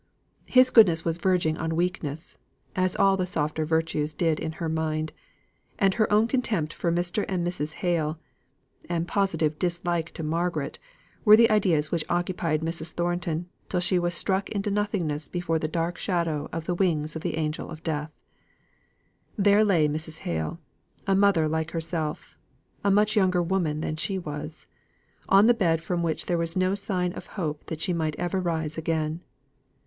His goodness verging on weakness (as all the softer virtues did in her mind), and her own contempt for Mr. and Mrs. Hale, and positive dislike to Margaret, were the ideas which occupied Mrs. Thornton, till she was struck into nothingness before the dark shadow of the wings of the angel of death. There lay Mrs. Hale a mother like herself a much younger woman than she was, on the bed from which there was no sign of hope that she might ever rise again.